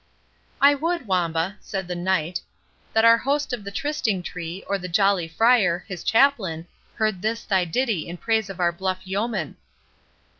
"I would, Wamba," said the knight, "that our host of the Trysting tree, or the jolly Friar, his chaplain, heard this thy ditty in praise of our bluff yeoman."